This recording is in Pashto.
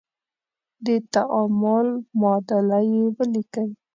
د تعامل معادله یې ولیکئ.